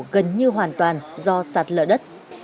gần như hoàn toàn do sạt lở đất